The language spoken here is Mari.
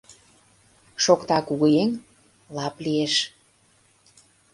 Шокта кугыеҥ, лап лиеш.